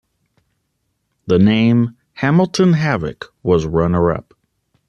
The name "Hamilton Havoc" was runner-up.